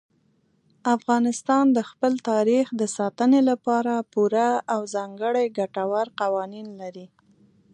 افغانستان د خپل تاریخ د ساتنې لپاره پوره او ځانګړي ګټور قوانین لري.